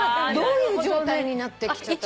どういう状態になってきちゃったの？